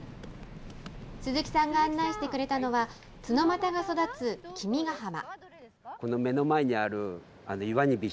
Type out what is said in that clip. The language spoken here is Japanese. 鈴木さんが案内してくれたのは、ツノマタが育つ君ヶ浜。